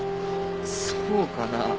そうかな？